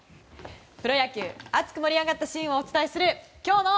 プロ野球熱く盛り上がったシーンをお届けする今日の。